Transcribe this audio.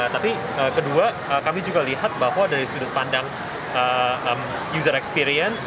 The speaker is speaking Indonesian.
tapi kedua kami juga lihat bahwa dari sudut pandang user experience